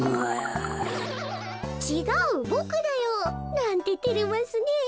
「ちがうボクだよ」なんててれますねえ。